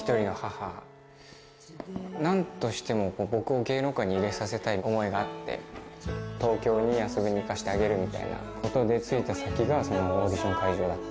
何としても僕を芸能界に入れさせたい思いがあって東京に遊びに行かせてあげるみたいなことで着いた先が。